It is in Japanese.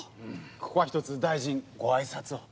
ここはひとつ大臣ご挨拶を。